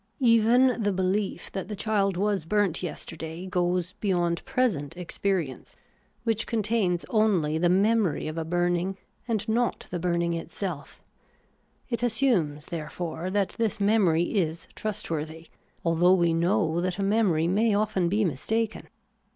Even the behef that the child was burnt yester day goes beyond present experience, which contains only the memory of a burning, and not the burning itself ; it assumes, therefore, that this memory is trustworthy, although we know that a memory may often be mis taken.